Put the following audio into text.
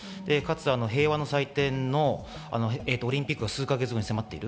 平和の祭典のオリンピックが数か月後に迫っている。